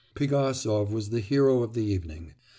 Pigasov was the hero of the evening.